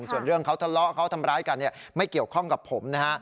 ส่วนเรื่องเขาทะเลาะเขาทำร้ายกันเนี่ยไม่เกี่ยวข้องกับผมนะฮะ